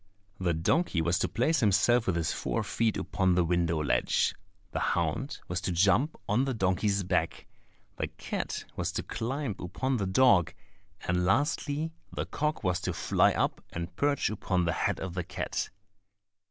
The donkey was to place himself with his fore feet upon the window ledge, the hound was to jump on the donkey's back, the cat was to climb upon the dog, and lastly the cock was to fly up and perch upon the head of the cat.